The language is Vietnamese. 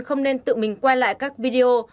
không nên tự mình quay lại các video